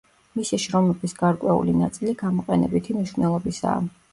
მისი შრომების გარკვეული ნაწილი გამოყენებითი მნიშვნელობისაა.